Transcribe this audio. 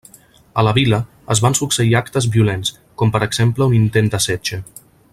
A la Vila es van succeir actes violents, com per exemple un intent de setge.